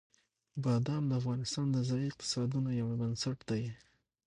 بادام د افغانستان د ځایي اقتصادونو یو بنسټ دی.